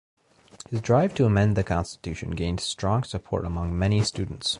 His drive to amend the constitution gained strong support among many students.